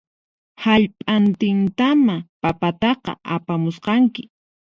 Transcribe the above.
Hallp'antintamá papataqa apamusqanki